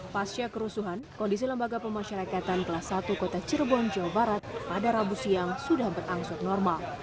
pasca kerusuhan kondisi lembaga pemasyarakatan kelas satu kota cirebon jawa barat pada rabu siang sudah berangsur normal